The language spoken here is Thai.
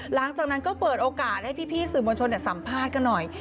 หลังจากนั้นก็เปิดโอกาสให้พี่สื่อมวลชนสัมภาษณ์กันหน่อย